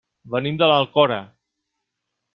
Venim de l'Alcora.